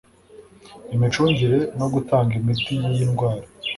imicungire no gutanga imiti y'iyi ndwara